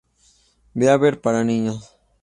Beaver" para niños.